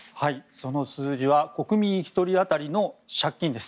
その数字は国民１人当たりの借金です。